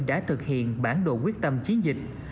đã thực hiện bản đồ quyết tâm chiến dịch